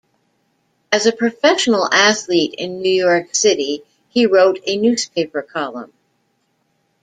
As a professional athlete in New York City, he wrote a newspaper column.